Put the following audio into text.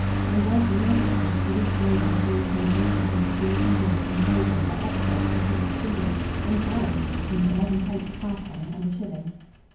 In Bursley market place the week's labour was being translated into food and drink and clothing by experts who could distinguish infallibly between elevenpence halfpenny and a shilling.